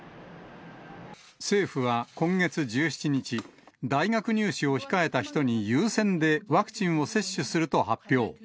政府は今月１７日、大学入試を控えた人に優先でワクチンを接種すると発表。